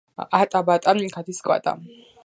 ატა, ბატა, გადის კვატა.